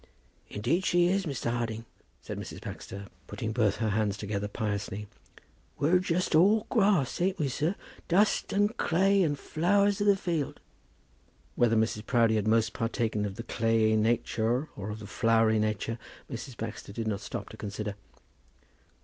"Indeed she is, Mr. Harding," said Mrs. Baxter, putting both her hands together piously. "We're just grass, ain't we, sir! and dust and clay and flowers of the field?" Whether Mrs. Proudie had most partaken of the clayey nature or of the flowery nature, Mrs. Baxter did not stop to consider.